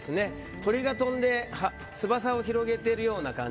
鳥が飛んで翼を広げているような感じ。